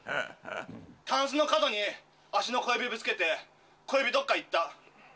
たんすの角に足の小指ぶつけて、小指どっか行った。